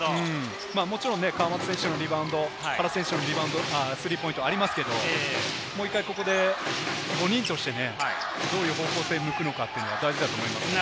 もちろん川真田選手のリバウンド、原選手のリバウンド、スリーポイントありますけれども、もう１回、ここで５人としてどういった方向性を向くのか大事だと思います。